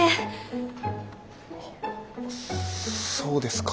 あそうですか。